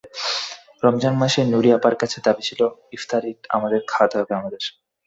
রমজান মাসে নূরী আপার কাছে দাবি ছিল, ইফতারি খাওয়াতে হবে আমাদের।